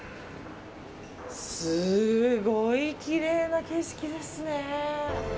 すごいきれいな景色ですね。